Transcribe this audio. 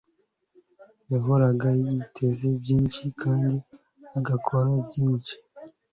Yahoraga yiteze byinshi, kandi agakora byinshi.